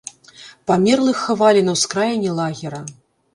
Памерлых хавалі на ўскраіне лагера.